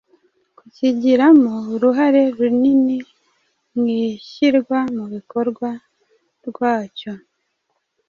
kukigiramo uruhare runini mu ishyirwa mu bikorwa rwacyo.